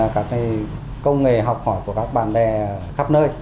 các công nghệ học hỏi của các bạn bè khắp nơi